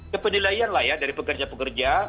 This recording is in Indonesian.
kepenilaian dari pekerja pekerja